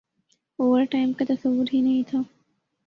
Overtime کا تصور ہی نہیں تھا ۔